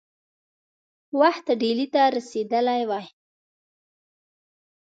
وخت ډهلي ته رسېدلی وای.